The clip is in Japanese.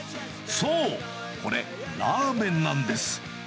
そう、これ、ラーメンなんです。